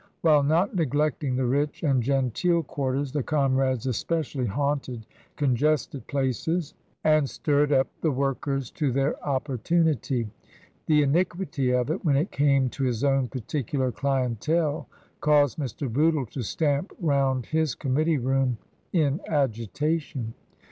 While not neglecting the rich and genteel quarters, the " comrades" especially haunted the congested places and stirred up the workers to their opportunity. The iniquity of it, when it came to his own particular clientele caused Mr. Bootle to stamp round his committee room in agitation.